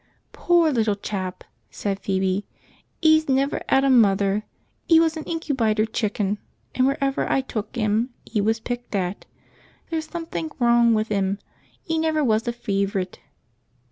"Poor little chap!" said Phoebe. "'E's never 'ad a mother! 'E was an incubytor chicken, and wherever I took 'im 'e was picked at. There was somethink wrong with 'im; 'e never was a fyvorite!"